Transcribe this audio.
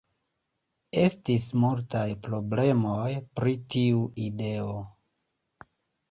Estis multaj problemoj pri tiu ideo.